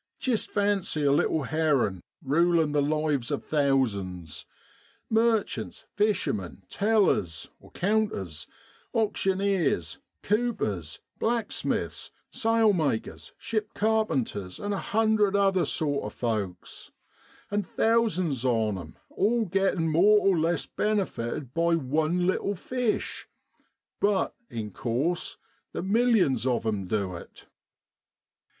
Jist fancy a little herrin' rulin' the lives of thousands ! merchants, fishermen, tellers (counters), auctioneers, cupers (coopers), blacksmiths, sailmakers, ship carpenters, and a hundred other sort of folks, and thousands of 'em all gettin' more or less benefited by one little fish but, in course, the millions of 'em du it.